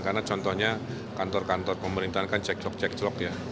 karena contohnya kantor kantor pemerintahan kan cek cok cek cok ya